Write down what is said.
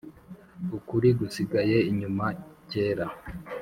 ukuri gusigaye inyuma kera